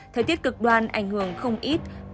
thời tiết cực đoan ảnh hưởng không ít